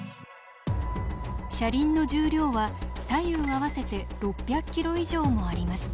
車輪の重量は左右合わせて６００ｋｇ以上もあります。